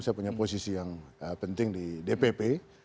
saya punya posisi yang penting di dpp